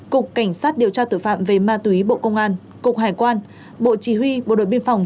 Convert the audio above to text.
cục cảnh sát điều tra tội phạm về ma túy bộ công an cục hải quan bộ chỉ huy bộ đội biên phòng